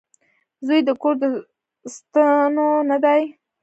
• زوی د کور د ستنو نه دی.